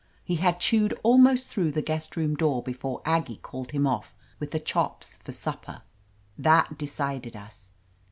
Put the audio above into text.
He had chewed almost through the guest room door before Aggie called him off with the chops for supper. That decided us.